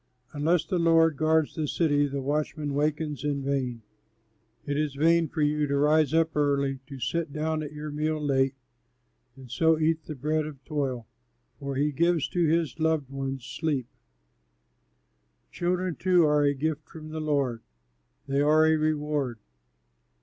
Unless the Lord guards the city, the watchman wakens in vain. It is vain for you to rise up early, to sit down at your meal late, And so eat the bread of toil; for he gives to his loved ones sleep. Children too are a gift from the Lord, they are a reward.